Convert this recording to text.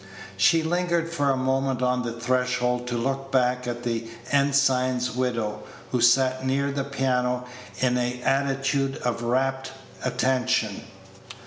She lingered for a moment on the threshold to look back at the ensign's widow, who sat near the piano in an attitude of rapt attention.